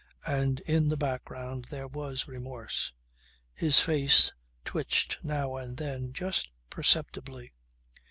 And in the background there was remorse. His face twitched now and then just perceptibly.